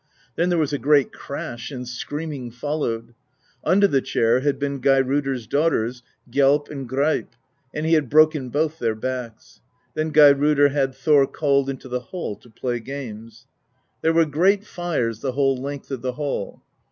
Then there was a great crash, and screaming followed. Under the chair had been Geirrodr's daughters, Gjalp and Greip; and he had broken both their backs. Then Geirrodr had Thor called into the hall to play games. There were great fires the whole length of the hall.